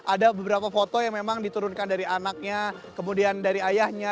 ada beberapa foto yang memang diturunkan dari anaknya kemudian dari ayahnya